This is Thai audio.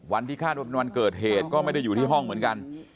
วันที่คาดว่าเป็นวันเกิดเหตุก็ไม่ได้อยู่ที่ห้องเหมือนกัน